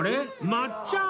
まっちゃん！